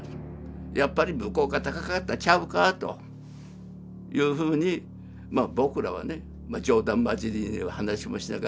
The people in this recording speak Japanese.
やっぱり向こうが高かったんちゃうかというふうに僕らはね冗談交じりに話もしながら。